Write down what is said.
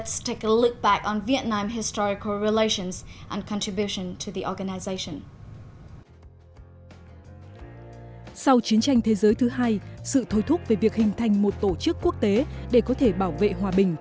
sau chiến tranh thế giới thứ hai sự thôi thúc về việc hình thành một tổ chức quốc tế để có thể bảo vệ hòa bình